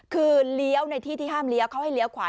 คือเลี้ยวในที่ที่ห้ามเลี้ยวเขาให้เลี้ยวขวา